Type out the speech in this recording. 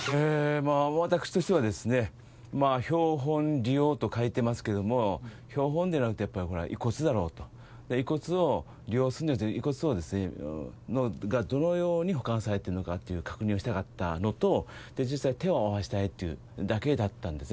まあ私としてはですね標本利用と書いてますけども標本でなくてこれは遺骨だろうとで遺骨を利用するんじゃなくて遺骨をですねがどのように保管されてるのかっていう確認をしたかったのとで実際手を合わせたいというだけだったんですね